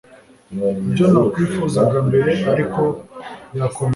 ibyo nakwifuzaga mbere, ariko birakomeye